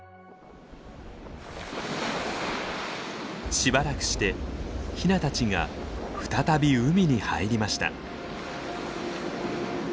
しばらくしてヒナたちが再び海に入りました。